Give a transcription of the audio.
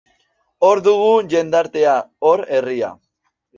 Hor dugu jendartea, hor herria.